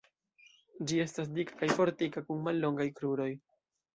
Ĝi estas dika kaj fortika kun mallongaj kruroj.